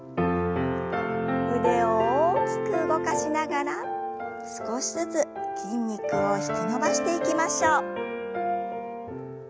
腕を大きく動かしながら少しずつ筋肉を引き伸ばしていきましょう。